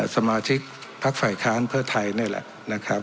สมาชิกพักฝ่ายค้านเพื่อไทยนี่แหละนะครับ